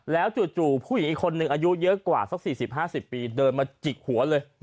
แล้วจู่ผู้หญิงอีกคนนึงอายุเยอะกว่าสัก๔๐๕๐ปีเดินมาจิกหัวเลย